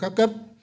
các bộ các cấp